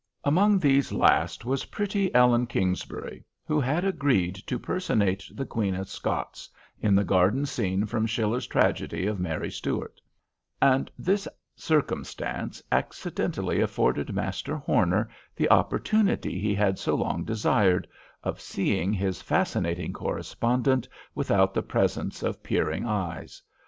Among these last was pretty Ellen Kingsbury, who had agreed to personate the Queen of Scots, in the garden scene from Schiller's tragedy of Mary Stuart; and this circumstance accidentally afforded Master Horner the opportunity he had so long desired, of seeing his fascinating correspondent without the presence of peering eyes.